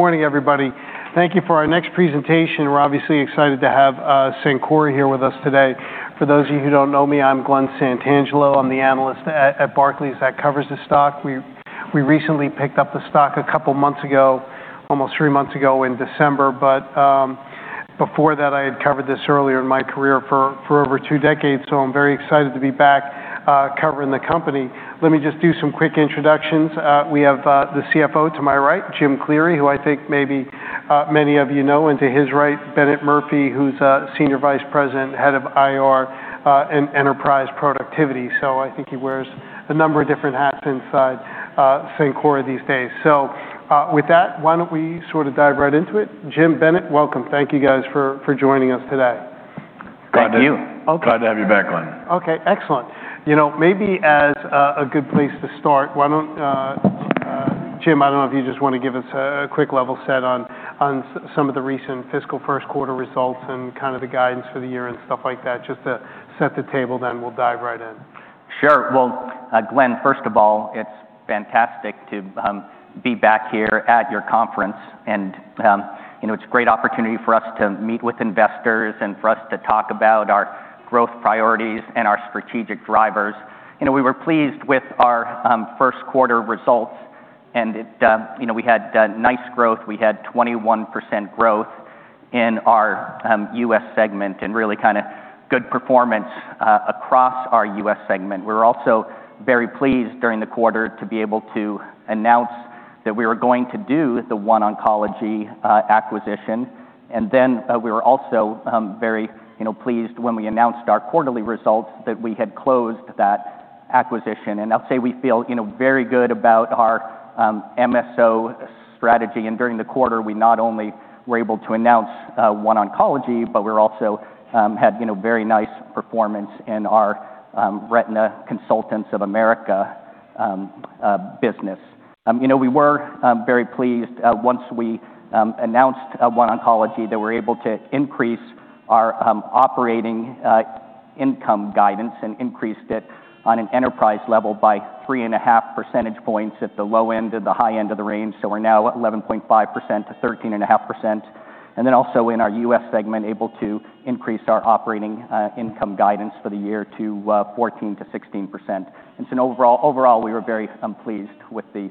Morning, everybody. Thank you for our next presentation. We're obviously excited to have Cencora here with us today. For those of you who don't know me, I'm Glen Santangelo. I'm the analyst at Barclays that covers the stock. We recently picked up the stock a couple months ago, almost three months ago in December. Before that, I had covered this earlier in my career for over two decades, so I'm very excited to be back covering the company. Let me just do some quick introductions. We have the CFO to my right, Jim Cleary, who I think maybe many of you know. To his right, Bennett Murphy, who's Senior Vice President, Head of IR and Enterprise Productivity. I think he wears a number of different hats inside Cencora these days. With that, why don't we sort of dive right into it? Jim, Bennett, welcome. Thank you guys for joining us today. Thank you. Glad to have you back, Glen. Okay, excellent. You know, maybe as a good place to start, why don't, Jim, I don't know if you just wanna give us a quick level set on some of the recent fiscal first quarter results and kind of the guidance for the year and stuff like that, just to set the table, then we'll dive right in. Sure. Well, Glen Santangelo, first of all, it's fantastic to be back here at your conference, and you know, it's a great opportunity for us to meet with investors and for us to talk about our growth priorities and our strategic drivers. You know, we were pleased with our first quarter results. It you know, we had nice growth. We had 21% growth in our U.S. segment, and really kinda good performance across our U.S. segment. We're also very pleased during the quarter to be able to announce that we were going to do the OneOncology acquisition. We were also very you know, pleased when we announced our quarterly results that we had closed that acquisition. I'll say we feel you know, very good about our MSO strategy. During the quarter, we not only were able to announce OneOncology, but we also had, you know, very nice performance in our Retina Consultants of America business. You know, we were very pleased once we announced OneOncology that we're able to increase our operating income guidance and increased it on an enterprise level by 3.5 percentage points at the low end and the high end of the range. We're now at 11.5%-13.5%. Then also in our U.S. segment, able to increase our operating income guidance for the year to 14%-16%. Overall, we were very pleased with the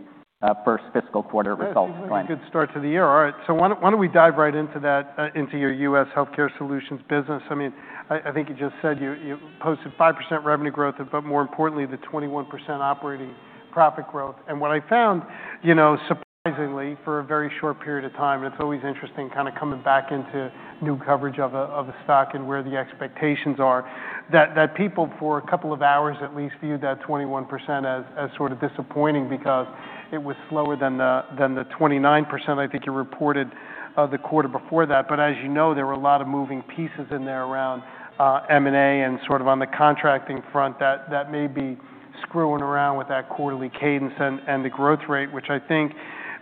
first fiscal quarter results, Glen. That's definitely a good start to the year. All right. Why don't we dive right into that, into your U.S. Healthcare Solutions business? I mean, I think you just said you posted 5% revenue growth, but more importantly, the 21% operating profit growth. What I found, you know, surprisingly, for a very short period of time, and it's always interesting kinda coming back into new coverage of a stock and where the expectations are, that people, for a couple of hours at least, viewed that 21% as sort of disappointing because it was slower than the 29% I think you reported the quarter before that. As you know, there were a lot of moving pieces in there around M&A and sort of on the contracting front that may be screwing around with that quarterly cadence and the growth rate, which I think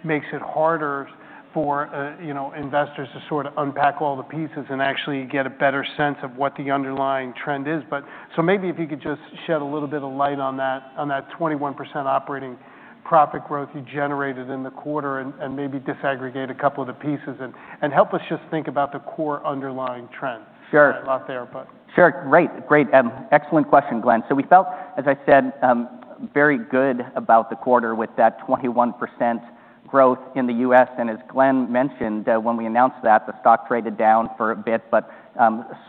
makes it harder for you know, investors to sort of unpack all the pieces and actually get a better sense of what the underlying trend is. Maybe if you could just shed a little bit of light on that 21% operating profit growth you generated in the quarter and maybe disaggregate a couple of the pieces and help us just think about the core underlying trend. Sure. Out there. Sure. Great. Excellent question, Glen. We felt, as I said, very good about the quarter with that 21% growth in the U.S. As Glen mentioned, when we announced that, the stock traded down for a bit, but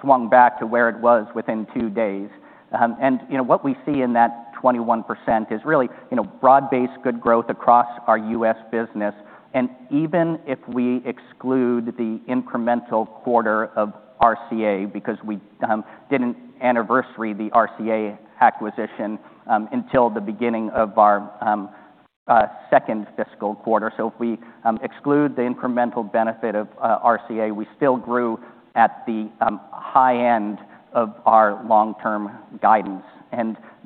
swung back to where it was within two days. You know, what we see in that 21% is really, you know, broad-based good growth across our U.S. business. Even if we exclude the incremental quarter of RCA, because we didn't anniversary the RCA acquisition until the beginning of our second fiscal quarter. If we exclude the incremental benefit of RCA, we still grew at the high end of our long-term guidance.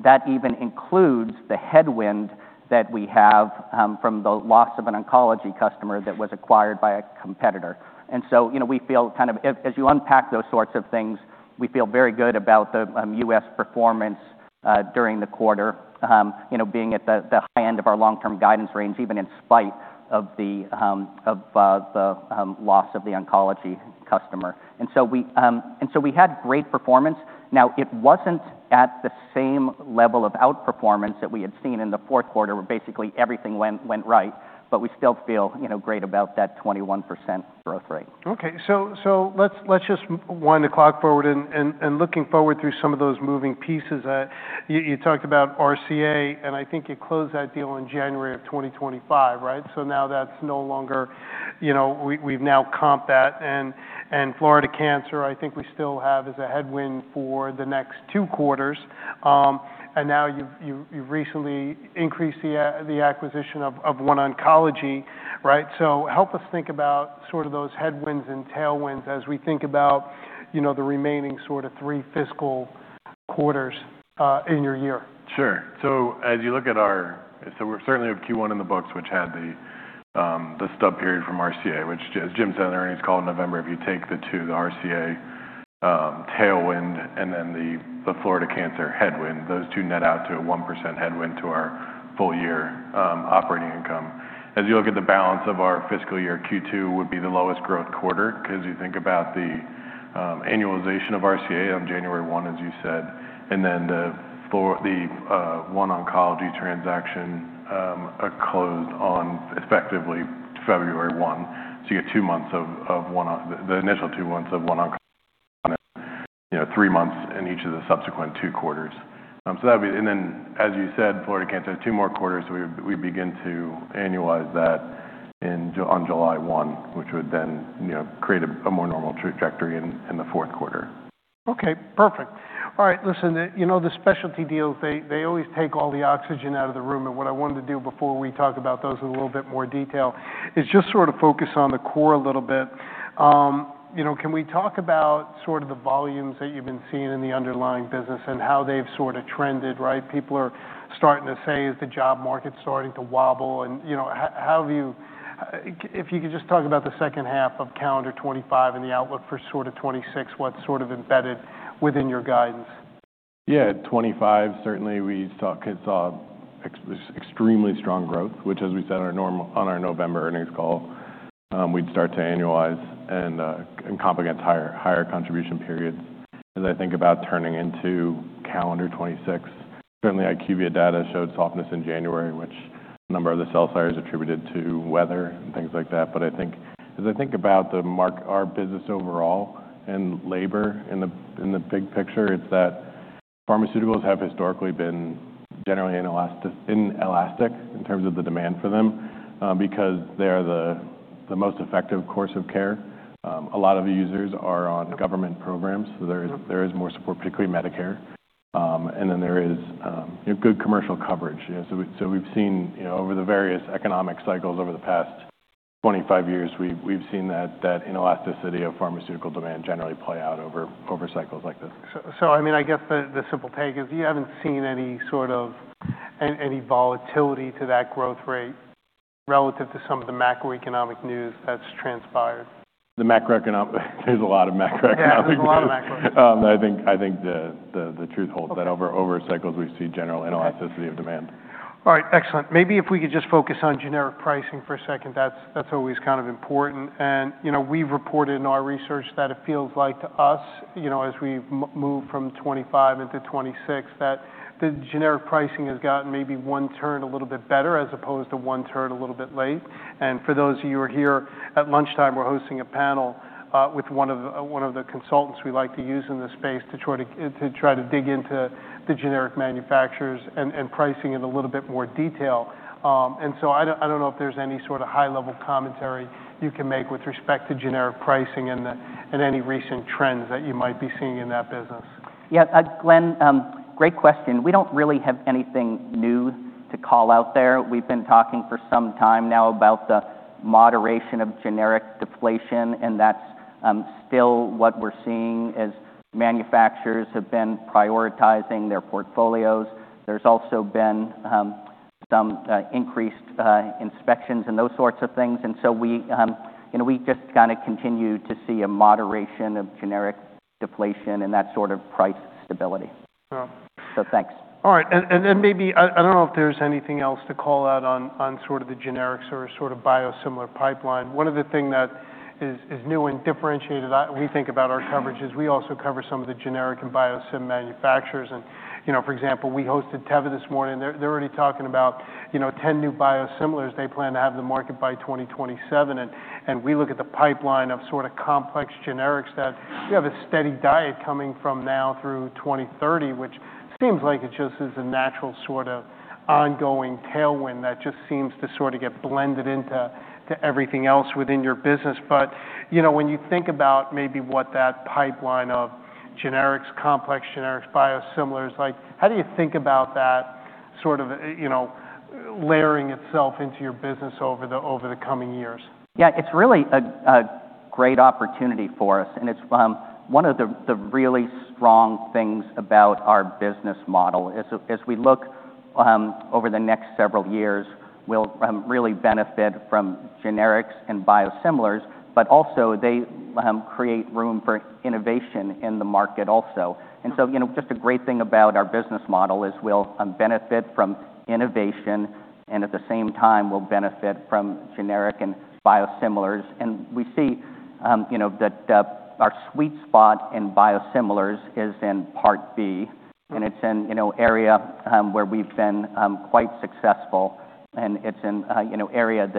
That even includes the headwind that we have from the loss of an oncology customer that was acquired by a competitor. You know, we feel kind of as you unpack those sorts of things, we feel very good about the U.S. performance during the quarter, you know, being at the high end of our long-term guidance range, even in spite of the loss of the oncology customer. We had great performance. Now, it wasn't at the same level of outperformance that we had seen in the fourth quarter, where basically everything went right, but we still feel, you know, great about that 21% growth rate. Okay. Let's just wind the clock forward and looking forward through some of those moving pieces. You talked about RCA, and I think you closed that deal in January 2025, right? Now that's no longer. You know, we've now comp that. Florida Cancer, I think we still have as a headwind for the next two quarters. Now you've recently announced the acquisition of OneOncology, right? Help us think about sort of those headwinds and tailwinds as we think about, you know, the remaining sort of three fiscal quarters in your year. Sure. As you look at our, we certainly have Q1 in the books, which had the stub period from RCA, which as Jim said earlier and he's called November. If you take the two, the RCA tailwind and then the Florida Cancer headwind, those two net out to a 1% headwind to our full year operating income. As you look at the balance of our fiscal year, Q2 would be the lowest growth quarter because you think about the annualization of RCA on January one, as you said, and then the OneOncology transaction closed on effectively February one. You get two months of the initial two months of OneOncology, you know, three months in each of the subsequent two quarters. That'd be. As you said, Florida Cancer, two more quarters, we begin to annualize that on July 1, which would then, you know, create a more normal trajectory in the fourth quarter. Okay, perfect. All right. Listen, you know, the specialty deals, they always take all the oxygen out of the room. What I wanted to do before we talk about those in a little bit more detail is just sort of focus on the core a little bit. You know, can we talk about sort of the volumes that you've been seeing in the underlying business and how they've sort of trended, right? People are starting to say, "Is the job market starting to wobble?" You know, have you. If you could just talk about the second half of calendar 2025 and the outlook for sort of 2026, what's sort of embedded within your guidance. Yeah. 2025, certainly it saw extremely strong growth, which as we said on our November earnings call, we'd start to annualize and compensate higher contribution periods. As I think about turning into calendar 2026, certainly IQVIA data showed softness in January, which a number of the sell-siders attributed to weather and things like that. I think, as I think about our business overall and macro in the big picture, it's that pharmaceuticals have historically been generally inelastic in terms of the demand for them, because they are the most effective course of care. A lot of the users are on government programs, so there is more support, particularly Medicare. There is good commercial coverage. We've seen, you know, over the various economic cycles over the past 25 years, that inelasticity of pharmaceutical demand generally play out over cycles like this. I mean, I guess the simple take is you haven't seen any volatility to that growth rate relative to some of the macroeconomic news that's transpired. There's a lot of macroeconomic news. Yeah, there's a lot of macro. I think the truth holds that over cycles, we see general inelasticity of demand. All right, excellent. Maybe if we could just focus on generic pricing for a second. That's always kind of important. You know, we've reported in our research that it feels like to us, you know, as we move from 2025 into 2026, that the generic pricing has gotten maybe one turn a little bit better as opposed to one turn a little bit late. For those of you who are here, at lunchtime, we're hosting a panel with one of the consultants we like to use in this space to try to dig into the generic manufacturers and pricing in a little bit more detail. I don't know if there's any sort of high-level commentary you can make with respect to generic pricing and any recent trends that you might be seeing in that business. Yeah, Glen, great question. We don't really have anything new to call out there. We've been talking for some time now about the moderation of generic deflation, and that's still what we're seeing as manufacturers have been prioritizing their portfolios. There's also been some increased inspections and those sorts of things. We just kinda continue to see a moderation of generic deflation and that sort of price stability. Yeah. Thanks. All right. Maybe I don't know if there's anything else to call out on sort of the generics or sort of biosimilar pipeline. One of the thing that is new and differentiated when we think about our coverage is we also cover some of the generic and biosimilar manufacturers. You know, for example, we hosted Teva this morning. They're already talking about, you know, 10 new biosimilars they plan to have in the market by 2027. We look at the pipeline of sort of complex generics that you have a steady diet coming from now through 2030, which seems like it just is a natural sort of ongoing tailwind that just seems to sort of get blended into everything else within your business. You know, when you think about maybe what that pipeline of generics, complex generics, biosimilars, like, how do you think about that sort of, you know, layering itself into your business over the coming years? Yeah. It's really a great opportunity for us, and it's one of the really strong things about our business model. As we look over the next several years, we'll really benefit from generics and biosimilars, but also they create room for innovation in the market also. You know, just a great thing about our business model is we'll benefit from innovation, and at the same time, we'll benefit from generic and biosimilars. You know, that our sweet spot in biosimilars is in Part B, and it's in you know, area where we've been quite successful, and it's in a you know, area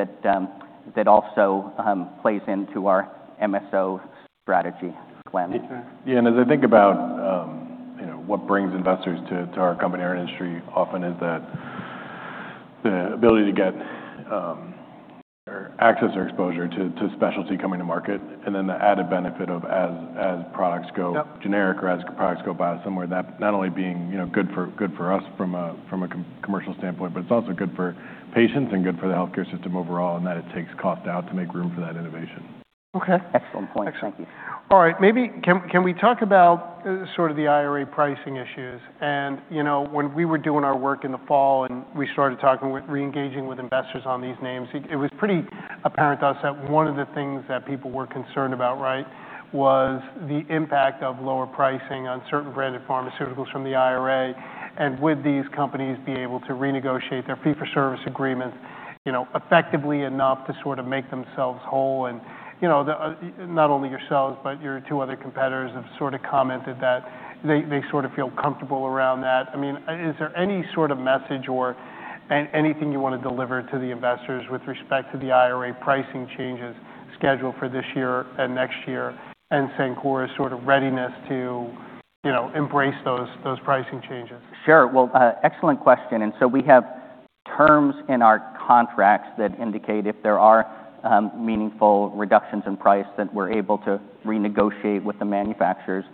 that also plays into our MSO strategy, Glen. Yeah. As I think about, you know, what brings investors to our company or industry often is that the ability to get access or exposure to specialty coming to market, and then the added benefit of as products go generic or as products go biosimilar, that not only being, you know, good for us from a commercial standpoint, but it's also good for patients and good for the healthcare system overall, in that it takes cost out to make room for that innovation. Okay. Excellent point. Thank you. All right. Maybe can we talk about sort of the IRA pricing issues? You know, when we were doing our work in the fall and we started re-engaging with investors on these names, it was pretty apparent to us that one of the things that people were concerned about, right, was the impact of lower pricing on certain branded pharmaceuticals from the IRA. Would these companies be able to renegotiate their fee for service agreements, you know, effectively enough to sort of make themselves whole? You know, not only yourselves, but your two other competitors have sort of commented that they sort of feel comfortable around that. I mean, is there any sort of message or anything you want to deliver to the investors with respect to the IRA pricing changes scheduled for this year and next year, and Cencora's sort of readiness to, you know, embrace those pricing changes? Sure. Well, excellent question. We have terms in our contracts that indicate if there are meaningful reductions in price, that we're able to renegotiate with the manufacturers.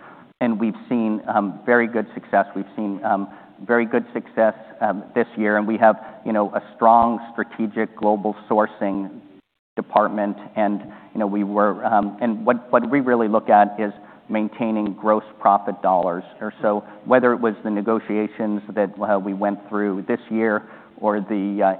We've seen very good success this year, and we have, you know, a strong strategic global sourcing department. You know, what we really look at is maintaining gross profit dollars. Whether it was the negotiations that we went through this year or the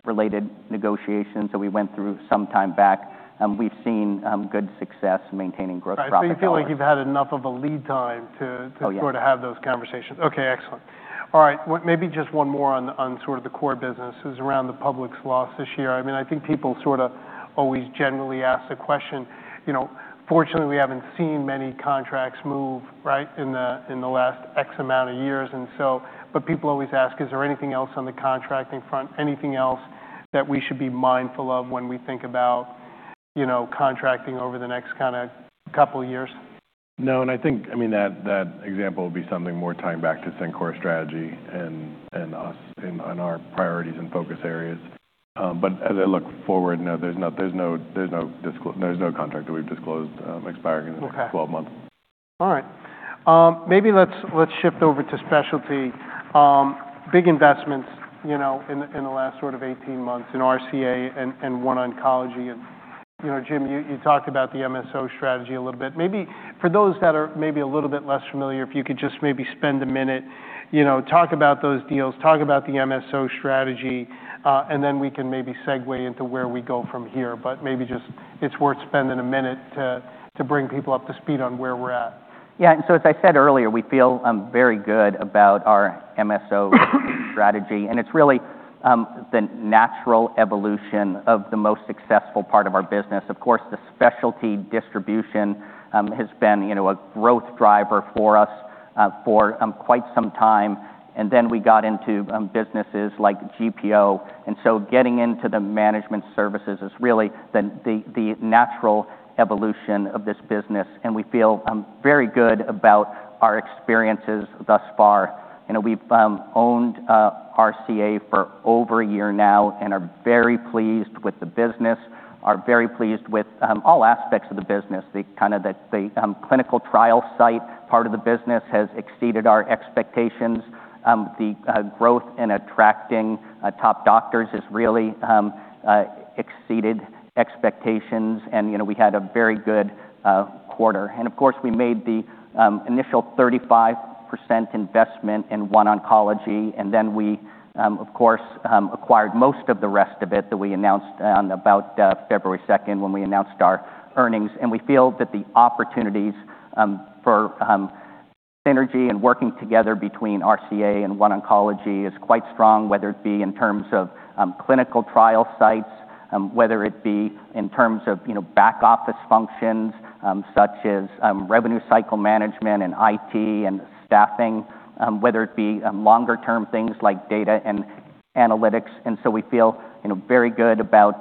insulin-related negotiations that we went through some time back, we've seen good success maintaining gross profit dollars. Right. You feel like you've had enough of a lead time to. Oh, yeah. To sort of have those conversations. Okay, excellent. All right. Maybe just one more on sort of the core businesses around the Publix loss this year. I mean, I think people sort of always generally ask the question, you know, fortunately, we haven't seen many contracts move, right, in the last X amount of years. People always ask, is there anything else on the contracting front, anything else that we should be mindful of when we think about, you know, contracting over the next kinda couple years? No, I think, I mean, that example would be something more tying back to Cencora's strategy and us on our priorities and focus areas. As I look forward, no, there's no contract that we've disclosed expiring. Okay. In the next 12 months. All right. Maybe let's shift over to specialty. Big investments, you know, in the last sort of 18 months in RCA and OneOncology. You know, Jim, you talked about the MSO strategy a little bit. Maybe for those that are maybe a little bit less familiar, if you could just maybe spend a minute, you know, talk about those deals, talk about the MSO strategy, and then we can maybe segue into where we go from here. Maybe just it's worth spending a minute to bring people up to speed on where we're at. Yeah. As I said earlier, we feel very good about our MSO strategy, and it's really the natural evolution of the most successful part of our business. Of course, the specialty distribution has been, you know, a growth driver for us for quite some time. We got into businesses like GPO, and so getting into the management services is really the natural evolution of this business. We feel very good about our experiences thus far. You know, we've owned RCA for over a year now and are very pleased with the business, are very pleased with all aspects of the business. The kind of clinical trial site part of the business has exceeded our expectations. The growth in attracting top doctors has really exceeded expectations. You know, we had a very good quarter. Of course, we made the initial 35% investment in OneOncology, and then we of course acquired most of the rest of it that we announced on about February second when we announced our earnings. We feel that the opportunities for synergy and working together between RCA and OneOncology is quite strong, whether it be in terms of clinical trial sites, whether it be in terms of, you know, back office functions, such as revenue cycle management and IT and staffing, whether it be longer term things like data and analytics. We feel, you know, very good about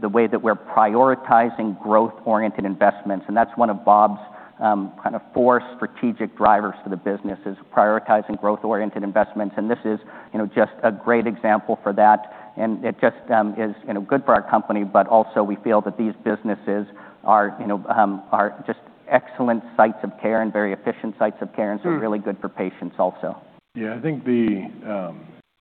the way that we're prioritizing growth-oriented investments. That's one of Bob's kind of four strategic drivers for the business, is prioritizing growth-oriented investments. This is, you know, just a great example for that, and it just is, you know, good for our company. Also we feel that these businesses are, you know, just excellent sites of care and very efficient sites of care. Mm. Really good for patients also. Yeah. I think.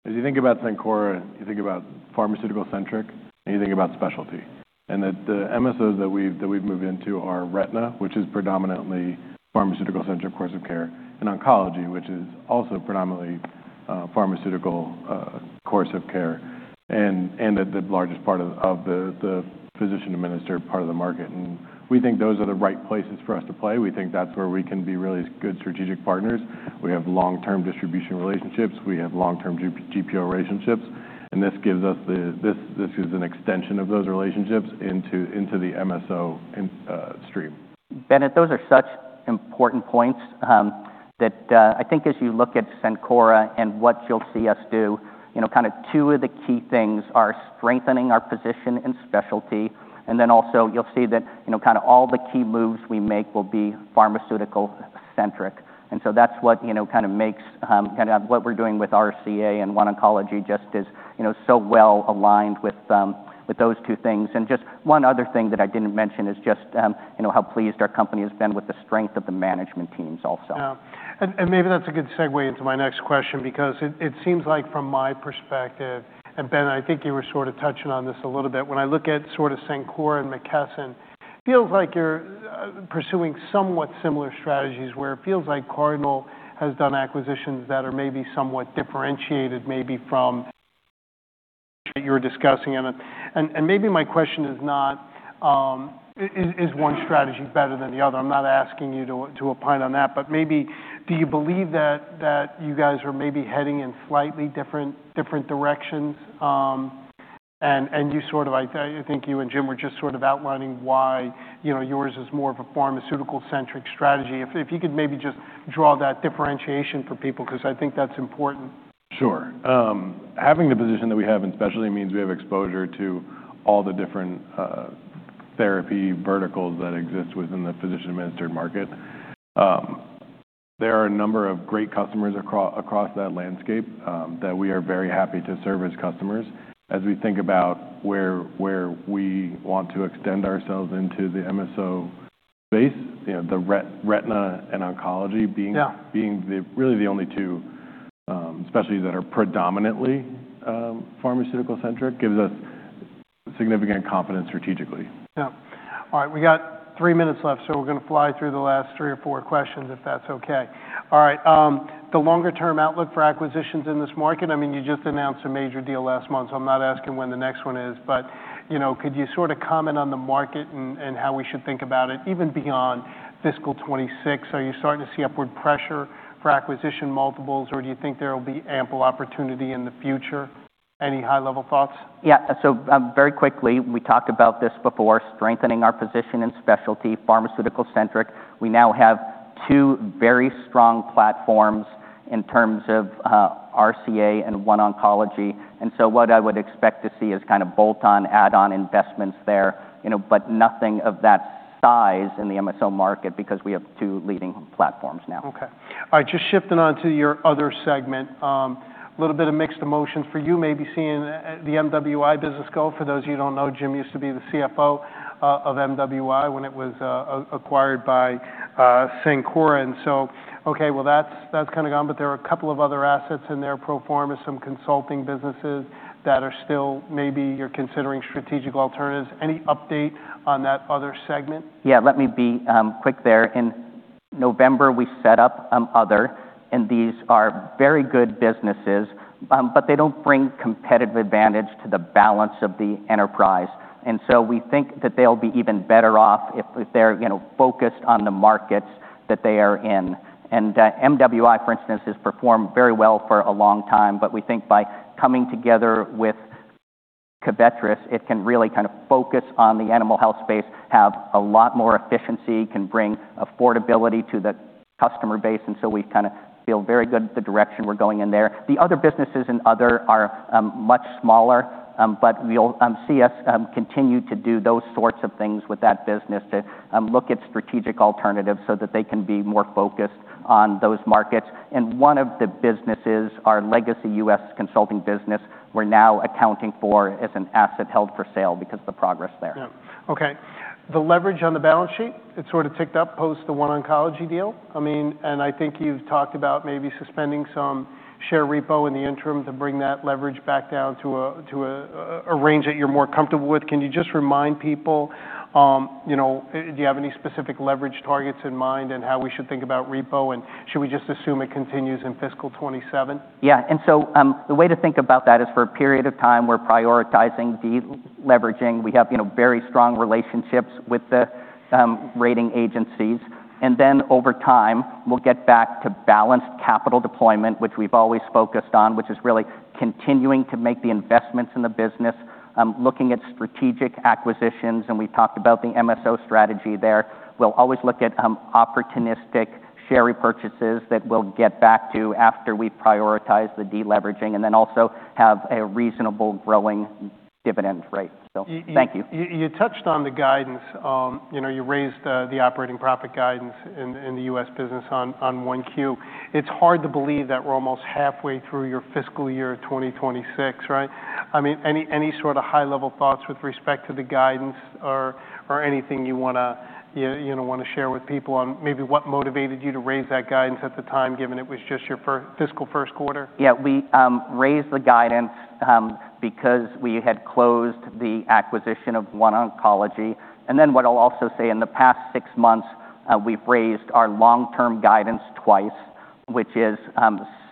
As you think about Cencora, you think about pharmaceutical-centric, and you think about specialty. The MSOs that we've moved into are retina, which is predominantly pharmaceutical-centric course of care, and oncology, which is also predominantly a pharmaceutical course of care and the largest part of the physician administered part of the market. We think those are the right places for us to play. We think that's where we can be really good strategic partners. We have long-term distribution relationships. We have long-term GPO relationships. This gives us the. This is an extension of those relationships into the MSO upstream. Bennett, those are such important points that I think as you look at Cencora and what you'll see us do, you know, kind of two of the key things are strengthening our position in specialty, and then also you'll see that, you know, kinda all the key moves we make will be pharmaceutical-centric. That's what, you know, kind of makes kinda what we're doing with RCA and OneOncology just is, you know, so well aligned with those two things. Just one other thing that I didn't mention is just you know, how pleased our company has been with the strength of the management teams also. Maybe that's a good segue into my next question because it seems like from my perspective, and Ben, I think you were sort of touching on this a little bit, when I look at sort of Cencora and McKesson, feels like you're pursuing somewhat similar strategies where it feels like Cardinal has done acquisitions that are maybe somewhat differentiated maybe from that you were discussing. Maybe my question is not is one strategy better than the other? I'm not asking you to opine on that. Maybe do you believe that you guys are maybe heading in slightly different directions? I think you and Jim were just sort of outlining why, you know, yours is more of a pharmaceutical-centric strategy. If you could maybe just draw that differentiation for people 'cause I think that's important. Sure. Having the position that we have in specialty means we have exposure to all the different therapy verticals that exist within the physician-administered market. There are a number of great customers across that landscape that we are very happy to serve as customers. As we think about where we want to extend ourselves into the MSO space, you know, the Retina and oncology being- Yeah. Being really the only two specialties that are predominantly pharmaceutical-centric gives us significant confidence strategically. Yeah. All right, we got three minutes left, so we're gonna fly through the last three or four questions if that's okay. All right. The longer term outlook for acquisitions in this market, I mean, you just announced a major deal last month, so I'm not asking when the next one is. You know, could you sort of comment on the market and how we should think about it even beyond fiscal 2026? Are you starting to see upward pressure for acquisition multiples, or do you think there will be ample opportunity in the future? Any high-level thoughts? Yeah. Very quickly, we talked about this before, strengthening our position in specialty, pharmaceutical-centric. We now have two very strong platforms in terms of RCA and OneOncology. What I would expect to see is kind of bolt-on, add-on investments there, you know, but nothing of that size in the MSO market because we have two leading platforms now. Okay. All right, just shifting on to your other segment. A little bit of mixed emotions for you maybe seeing the MWI business go. For those of you who don't know, Jim used to be the CFO of MWI when it was acquired by Cencora. Okay, well, that's kinda gone, but there are a couple of other assets in there pro forma, some consulting businesses that are still maybe you're considering strategic alternatives. Any update on that other segment? Yeah, let me be quick there. In November, we set up other, and these are very good businesses, but they don't bring competitive advantage to the balance of the enterprise. MWI, for instance, has performed very well for a long time, but we think by coming together with Covetrus, it can really kind of focus on the animal health space, have a lot more efficiency, can bring affordability to the customer base, and so we kinda feel very good the direction we're going in there. The other businesses and other are much smaller, but you'll see us continue to do those sorts of things with that business to look at strategic alternatives so that they can be more focused on those markets. One of the businesses, our legacy U.S. consulting business, we're now accounting for as an asset held for sale because of the progress there. Yeah. Okay. The leverage on the balance sheet, it sort of ticked up post the OneOncology deal. I mean, I think you've talked about maybe suspending some share repo in the interim to bring that leverage back down to a range that you're more comfortable with. Can you just remind people, you know, do you have any specific leverage targets in mind and how we should think about repo? Should we just assume it continues in fiscal 2027? Yeah. The way to think about that is for a period of time, we're prioritizing de-leveraging. We have, you know, very strong relationships with the rating agencies. Over time, we'll get back to balanced capital deployment, which we've always focused on, which is really continuing to make the investments in the business, looking at strategic acquisitions, and we talked about the MSO strategy there. We'll always look at opportunistic share repurchases that we'll get back to after we prioritize the de-leveraging, and then also have a reasonable growing dividend rate. Thank you. You touched on the guidance. You know, you raised the operating profit guidance in the U.S. business on 1Q. It's hard to believe that we're almost halfway through your fiscal year 2026, right? I mean, any sort of high-level thoughts with respect to the guidance or anything you wanna, you know, share with people on maybe what motivated you to raise that guidance at the time, given it was just your fiscal first quarter? Yeah. We raised the guidance because we had closed the acquisition of OneOncology. What I'll also say, in the past six months, we've raised our long-term guidance twice, which is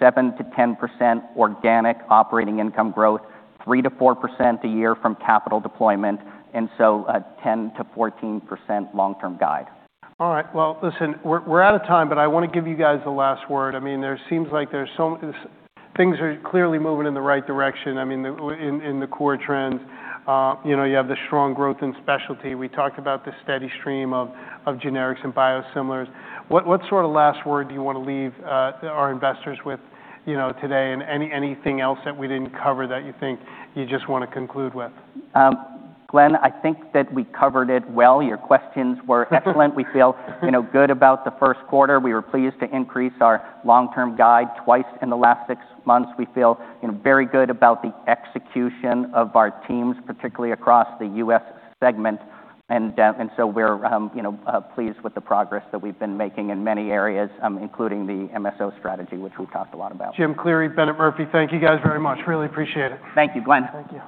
7%-10% organic operating income growth, 3%-4% a year from capital deployment, and so a 10%-14% long-term guide. All right. Well, listen, we're out of time, but I wanna give you guys the last word. I mean, Things are clearly moving in the right direction, I mean, in the core trends. You know, you have the strong growth in specialty. We talked about the steady stream of generics and biosimilars. What sort of last word do you wanna leave our investors with, you know, today and anything else that we didn't cover that you think you just wanna conclude with? Glen, I think that we covered it well. Your questions were excellent. We feel, you know, good about the first quarter. We were pleased to increase our long-term guide twice in the last six months. We feel, you know, very good about the execution of our teams, particularly across the U.S. segment. We're pleased with the progress that we've been making in many areas, including the MSO strategy, which we've talked a lot about. Jim Cleary, Ben Murphy, thank you guys very much. Really appreciate it. Thank you, Glen. Thank you.